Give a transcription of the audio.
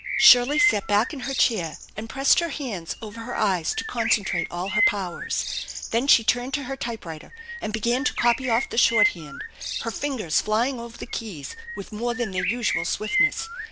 Shirley sat back in her chair and pressed her hands over her eyes to concentrate all her powers. Then she turned to her typewriter and began to copy off the shorthand, her fingers flying over the keys with more than their usual swift ness.